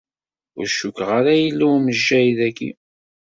Ur cukkeɣ ara yella umejjay dagi.